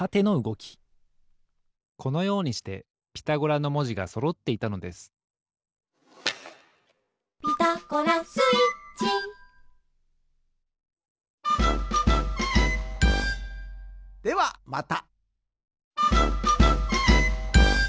このようにしてピタゴラのもじがそろっていたのです「ピタゴラスイッチ」ではまた！